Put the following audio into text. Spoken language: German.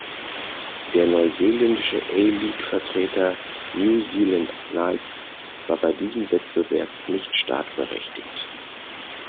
Der neuseeländische A-League-Vertreter New Zealand Knights war bei diesem Wettbewerb nicht startberechtigt.